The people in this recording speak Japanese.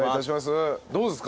どうですか？